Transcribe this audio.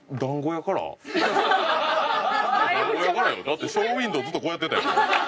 だってショーウィンドーずっとこうやってたやん。